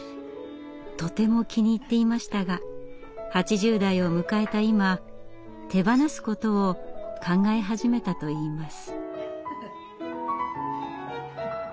とても気に入っていましたが８０代を迎えた今手放すことを考え始めたといいます。